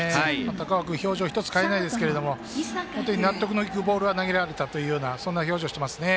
高尾君、表情１つ変えませんが本当に納得のいくボールが投げられたというそんな表情してますね。